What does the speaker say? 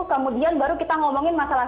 kemudian baru kita ngomongin masalah